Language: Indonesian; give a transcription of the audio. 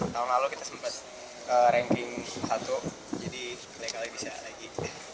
tahun lalu kita sempat ranking satu jadi tiga kali bisa lagi